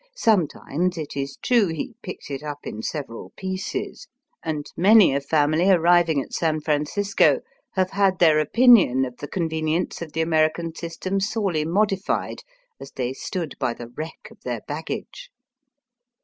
Sometimes, it is true, lie picks it up in several pieces, and many a family arriving at San Francisco have had their opinion of the convenience of the American system sorely modified as they stood by the wreck of their baggage.